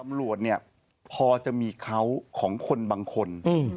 ตำรวจเนี่ยพอจะมีเขาของคนบางคน